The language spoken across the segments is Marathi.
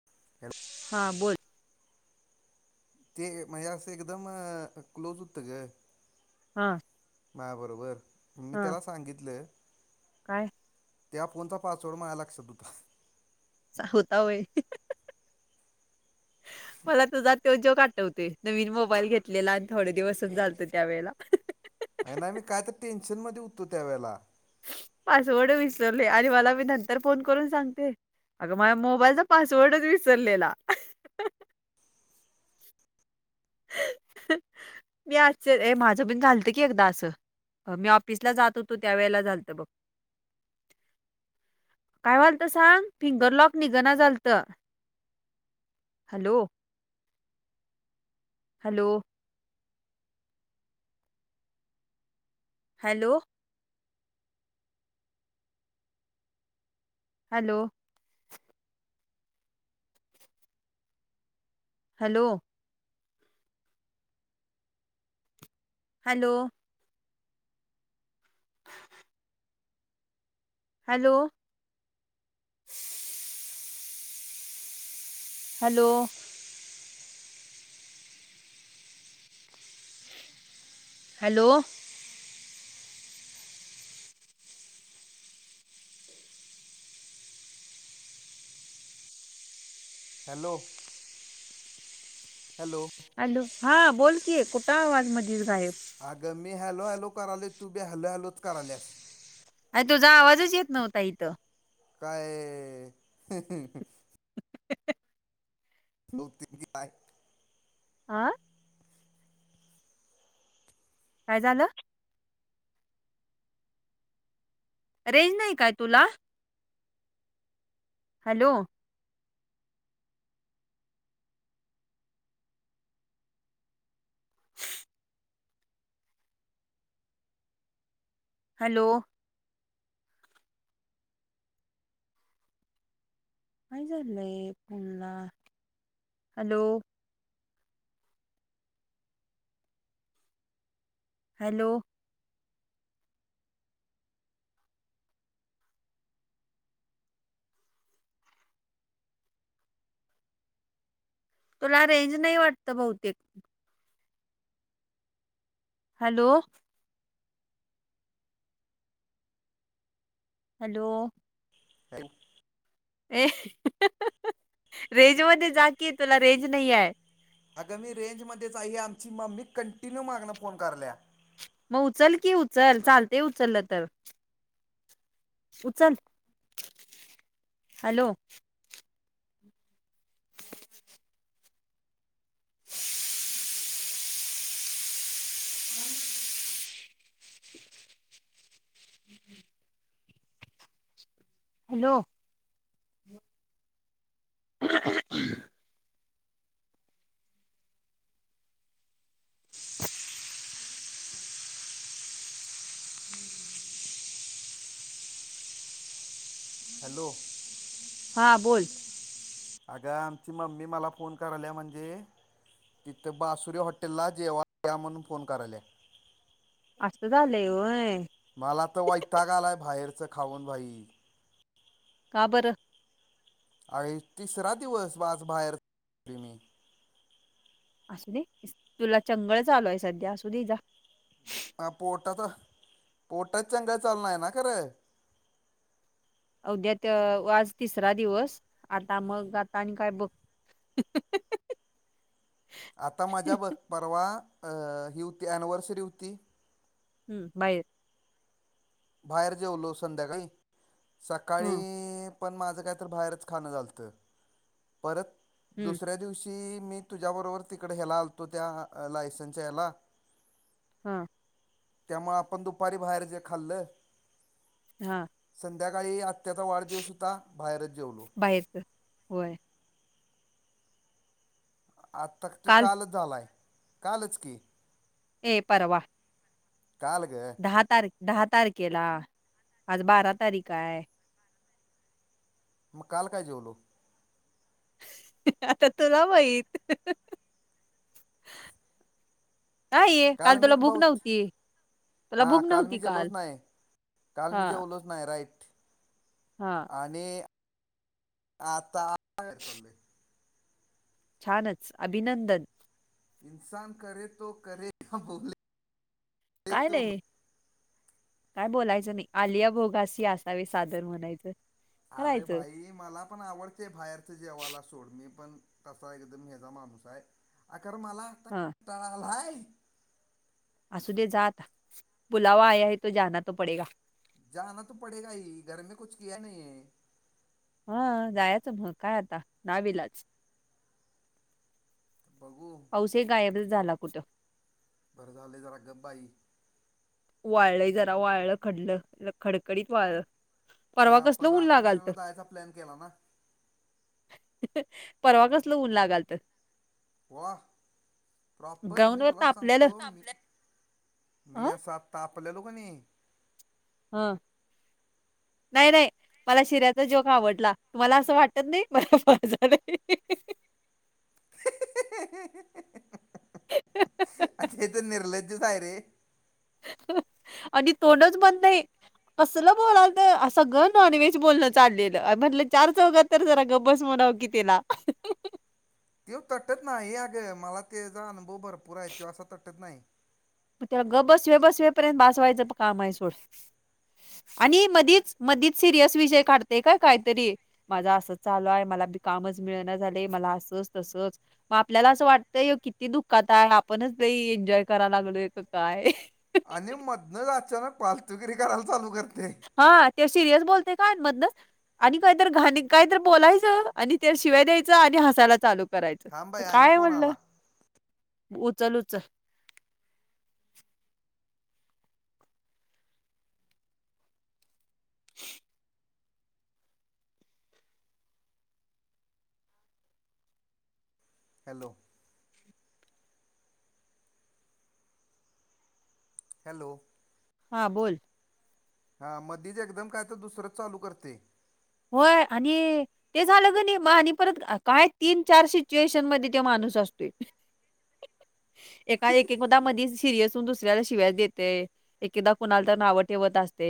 [unintelligible] हा बोल. ते माझ्या असं एकदम क्लोज होतं ग. हा हा बरोबर मी हा त्याला सांगितलं. [inaudible] काय त्या फोनचा पासवर्ड मझ लक्षात होता. होता वय [unintelligible] मला तुझा त जेव आठवते नवीन मोबाईल घेतलेला आणि थोडे दिवसच चालतो त्यावेेळेला. आहे ना मी काय तर टेन्शन मध्ये उठतो त्यावेेळेला. पासवर्ड विसरवले आणि मला मी नंतर फोन करून सांगते. अगं माझ मोबाईलचा पासवर्डच विसरलेला. मी आश्चर्य माझं बिण घालतं की एकदा असं. मी ऑफिसला जात होतो त्यावेेळेला झालत बघ. [inaudible] काय वालतं सांग फिंगर लॉक निघाना झालतं. Hello. Hello. Hello. Hello. Hello. Hello. Hello. Hello. Hello. Hello. Hello. Hello, हा बोलतीय कुठं आवाज मधच गायप. अगं मी हॅलो, हॅलो करालो तू बी हॅलो, हॅलोच करालेस. अ तुझा आवाजच येत नव्हता इथं. काय... [unintelligible] [inaudible] [unintelligible] आं? काय झालं? रेंज नाही काय तुला? हॅलो. हॅलो. काय झालंय फोनला? हॅलो. हॅलो. तुला रेंज नाही वाटतं बहुतेक. हॅलो. हॅलो. [unintelligible] ए रेंज मध्ये जा की तुला रेंज नाही आय. अगं मी रेंज मध्येच आहे ही आमची मम्मी कंटिन्यू मागणं फोन करल्या. मग उचल की उचल चालतेय उचल तर. उचल हॅलो. हॅलो. [inaudible] हॅलो. हां बोल. आगं आमची मम्मी मला फोन कराल्या म्हंजे तिथं बासुरी हॉटेलला जेवा या म्हणून फोन कराल्या. आसं झालंय होय? मला तर वैताग आलाय बाहेरचं खाऊन भाई. का बरं? ऐ तिसरा दिवस आज बाहेर तोय मी असू दे तुला चंगळ चालू आहे सध्या असू दे जा. अ पोटात पोटात चंगळ चाल नाही ना खरं अवद्यात आज तिसरा दिवस आता मग आता आणि काय बघ. [inaudible] आता माझ्या बघ परवा अ ही होती ॲनव्हर्सरी होती हम्म बाहेर बाहेर जेवलो संध्याकाळी हम्म सकाळी पण माझ काहीतर बाहेरच खाणं झालत परत हम्म दुसऱ्या दिवशी मी तुझ्या बरोबर तिकडे ह्याला आलतो त्या लायसनच्या याला हा. त्यामुळे आपण दुपारी बाहेर जे खाल्लं हा. संध्याकाळी आत्याचा वाढदिवस होता बाहेरच जेवलो. बाहेरच... होय आत्ता तो काल कालच झालाय, कालच की. ए परवा काल ग दहा तारीक दहा तारकेला आज बारा तारीक हाय मग काल काय जेवलो? आता तुला माहित. नाही काल मी तुला भूक बहुत नव्हती. तुला हा भूक काल मी नव्हती जेवलोच नाही, काल मी हा जेवलोच नाही राईट हा आणि आता चाले [unintelligible] छानच अभिनंदन. [unintelligible] काय तो नाही. काय बोलायचं नाही आलिया भोगाशी असावे साधन म्हणायचं. अरे करायचं भाई मला पण आवडते बाहेरच जेवयला सोड मी पण तसा एकदम ह्याचा माणूस आहे. आकर मला हा [unintelligible] [unintelligible] [unintelligible] हा जायचं मग काय आता नाविलाज. बघू पाऊस गायब झाला कुठं? बरं झालंय जरा गप बाई वाळलंय जरा वाळलं खडलं खडकडीत वाळ त्या आपण राधानगरी जायचा प्लॅन केला ना हाह परवा कसल ऊन लागाल त वा प्रॉपर ग्राउंड मी वर तुलाच तापलेलं सांगतो मी मी ह असा तापलेलो की नाही हा नाही नाही. मला शिऱ्याचा जोक आवडला, तुम्हाला असं वाटत नाही मला ही हीही [unintelligible] हाह हाह आज्या तर निरलज च् हाय रे. आणि तोंडच बंद नाही. कसलं बोलाल तर सगळं नॉनव्हेज बोलणं चाललेलं म्हटलं चार चौघात तर जरा गबस म्हणाव कि त्याला? तेव तटत नाही अगं मला तेचा अनुभव भरपूर आहे त्यो असा तटत नाही. तेव्हा ग बस व बसवेपर्यंत बासवायचं काम आहे सोड आणि मधीच मधीच सिरियस विजय काढते का काहीतरी माझा असंच चालू आहे मलाी कामच मिळना झाले मला असंच तसच मग आपल्याला असं वाटतंय किती दुःखात आहे. आपणच लई एन्जॉय कराय लागलोय का काय आणि मधनच अचानक पालतुगिरी करायला चालू करतय. हा ते सिरियस बोलते काय मधनच आणि काहीत घाण काय तर बोलायचं आणि ते शिवाय द्यायचं आणि हासायला चालू करायच थांब बाई आणि काय फोन म्हणलं आला उचल उचल हॅलो हॅलो हा बोल हा मध्येच एकदम काय तर दुसरंच चालू करते होय आणि ते झालं ग नाही आणि परत काय तीन चार सिच्युएशन मध्ये ते माणूस असतोय‌ एका एकदा मधीच सिरीयस होऊन दुसऱ्याला शिव्यास देतेय. एकेदा कुणाला तर नाव ठेवत असते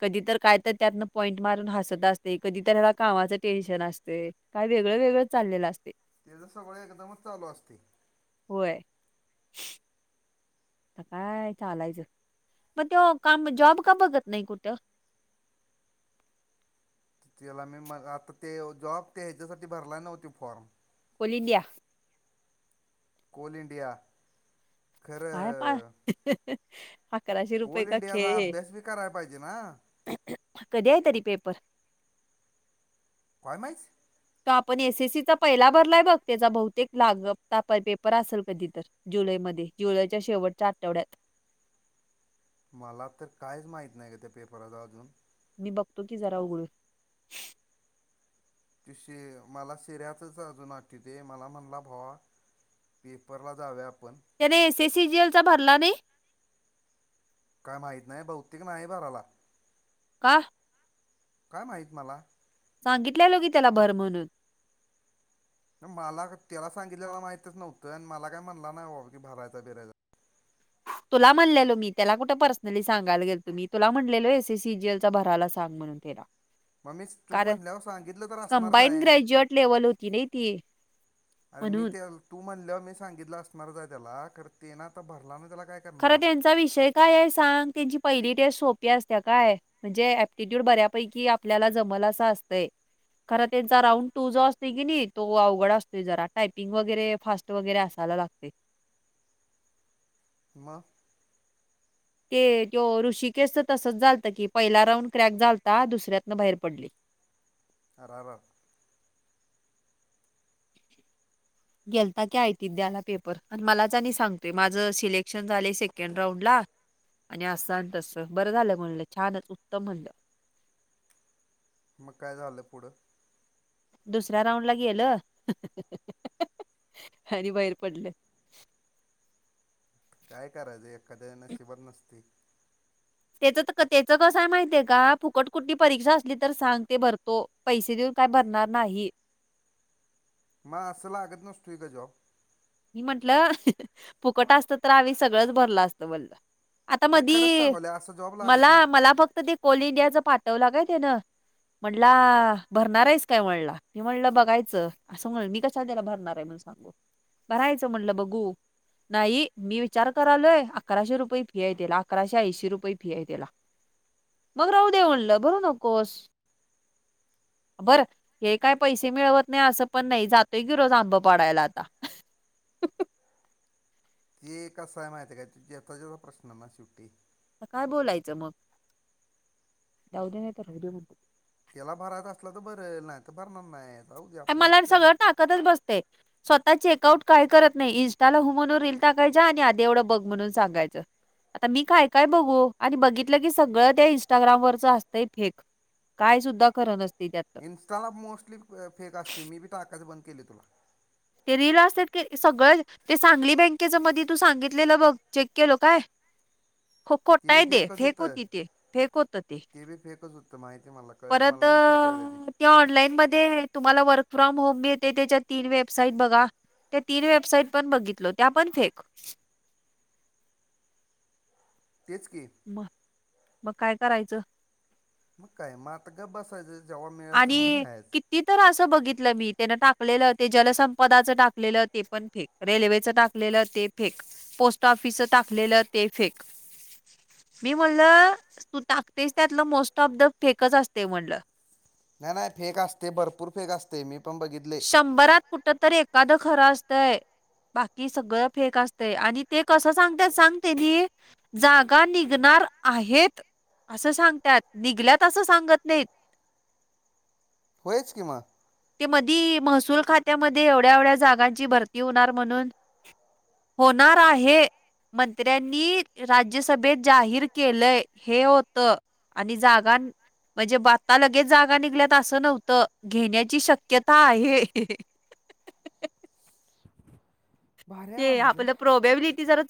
कधी तर काय तर त्यातन पॉइंट मारून हसत असते. कधीतला कामाचं टेन्शन असते काही वेगळं वेगळं चाललेलं असते. त्याचं सगळं एकदमच चालू असते. होय. आता काय सांगायचं, मग तो काम जॉब का बघत नाही कुठं. त्याला मी म आता ते जॉब ते ह्याच्यासाठी भरला नव्हती form. Coal India. Coal India. काय पण. खरं कोल इंडियाचा अभ्यास बी करायला पाहिजे ना. कधी आहे तरी पेपर? काईमच. तो आपण एस एससीचा पहिला भरलाय बघ त्याचा बहुतेक लाग पेपर असेल कधी तर. जुलैमध्ये जुलैच्या शेवटच्या आठवड्यात. मला तर कायच माहीत नाही का त्या पेपराचा अजून. मी बघतो की जरा उघडून. ति शि मला सिऱ्यातच अजून वाट त ते मला म्हणला भावा. पेपरला जावे्या आपण. त्याने एस एससी जीएल चा भरला नाही. काय माहीत नाही बौतेिक नाही भराला. का? काय माहीत मला. सांगितल्या लो की त्याला भर म्हणून. मला, त्याला सांगितल्याला माहितच नव्हतं आणि मला काय म्हणला नाही की भरायचा भिरायचा. तुला म्हणलेलो मी त्याला कुठं पर्सनली सांगाय गेल तुम्ही तुला म्हणलेलो एसीसीजीएल चा भराला सांग. मग मी तू कारण म्हणल्यावर सांगितलं तर असणारच कंबाईन आहे ग्रॅज्युएट लेवल होती ना ती. अरे मी म्हणून ते तू म्हणलं मी सांगितलं असणार जा त्याला खर ते ना आ तर भरला ना त्याला काय. खरं करणार त्यांचा विषय काय आहे सांग त्यांची पहिली टेस्ट सोपी असत्या काय. म्हणजे ऍप्टिट्यूड बऱ्यापैकी आपल्याला जमल अस असतंय. खर त्यांचा राऊंड टू जो असते की नाही तो अवघड असतोय जरा टायपिंग वगैरे फास्ट. वगैरे असायला लागते. मग. ते तो ऋषिकेशच तसंच झालतं की पहिला राऊंड क्रॅक चालता दुसऱ्यातनं बाहेर पडला. अररर. [inaudible] गेलता की ऐ त द्याला पेपर मलाच आणि सांगतोय माझं सिलेक्शन झाले सेकंड राऊंड ला. आणि असं तसं बरं झालं म्हणलं छानच उत्तम म्हणलं. मग काय झाललं पुढं? दुसऱ्या राऊंड ला गेलं [unintelligible] आणि बाहेर पडलं. काय करायचं एखाद्याण्या शिबत नसते. त्याच त्याचं कसंय माहितय का फुकट कुठली परीक्षा असली तर सांग ते भरतो. पैसे देऊन काय भरणार नाही. मा असला लागत नसते जाॅब. मी म्हंटलं फुकट असत तर आवी् सगळंच भरलं असतं मग. आता नाही मधी खरंच सांगवले असं जॉब लागत मला नाही मला फक्त ते कोल इंडियाच पाठवलं काय ते ना. म्हणला भरणार आहेच काय म्हणला मी म्हणलं बघायचं. असं म्हणा मी कशाला त्याला भरणार आहे मून सांगू. भरायचं म्हटलं बघू. नाही मी विचार करालोय अकराशे रुपये फी येतील अकराशे ऐंशी रुपये फी आहे तीला. मग राहू दे म्हणलं भरू नकोस. बरं हे काय पैसे मिळवत नाही असं पण नाही, जातय की रोज आंब पाडायला आता आता ते कसं आहे माहिती आहे काय, ज्याचा त्याचा प्रश्न ना शेवटी. काय बोलायचं मग? जाऊदे [unintelligible] याला भरायच असलं तर भरलं नाही तर भरणार नाही. जाऊ दे आपल्याला मला काय सगळं करायचं टाकतच बसते. स्वतः चेकआउट काय करत नाही इनस्टाला हो म्हणून रील टाकायच्या आणि आधी एवढं बघ म्हणून सांगायचं. आता मी काय काय बघू आणि बघितलं की सगळं त्या इंस्टाग्रामवररच असतंय फेक. काय सुद्धा खरं नसते त्यात इनस्टाला मोस्टली फेक असते मी बी टाकाच बंद केली तुला ते रील असतात क सगळं ते सांगली बँकेच मध्ये तू सांगितलेलं बघ चेक केलं काय हो खोट बी ये ते फेकच फेक होत होतं ते, फेक होत ते बी फेकच होतं माहिती आहे मला कळलं परत मला नंतर कळलं ते त्या ऑनलाईन मध्ये तुम्हाला वर्क फ्रॉम होम भ ये त्याच्या तीन वेब बसाईट बघा त्या तीन वेबसाईट पण बघितल त्या पण फेक तेच की मग मग काय करायचं? मग काय म आता गप बसायचं. जेव्हा मिळेल तेव्हा आणि जायचं कि ती तर असं बघितलं मी तेन टाकलेलं ते जलसंपदाचं टाकलेलं ते पण फेक रेल्वेच टाकलेलं ते फेक, पोस्ट ऑफिसच टाकलेलं ते फेक मी म्हणलं तू टाकतेस त्यातलं मोस्ट ऑफ द फेकच असते म्हणटलं. नाही नाही फेक असते भरपूर फेक असते मी पण बघित शंभरात कुठं तररी एखादं खरं असतंय बाकी सगळ फेक असतंय आणि ते कसं सांगत सांगते न जागा निघणार आहेत असं सांगत्यात, निघल्यात असं सांगत नाहीत. होयच किं म ते मधी महसूल खात्यामध्ये एवढ्या एवढ्या जागांची भरती होणार म्हणून होणार आहे. मंत्र्यांनी राज्यसभेत जाहीर केलंय हे होत. आणि जागा म्हणजे ब आत्ता लगेच जागा निघल्यात असं नव्हतं घेण्या ची शक्यता आहे हहह भारी आहे म्हणायचं आपल्या प्रोबेबिलिटी चा